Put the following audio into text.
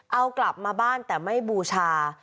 เอากลับมาบ้านแต่ไม่บูชา